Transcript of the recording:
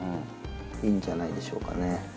いいんじゃないでしょうかね。